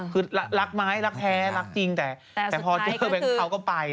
คือรักไม้รักแท้รักจริงแต่พอเจอแบงค์เขาก็ไป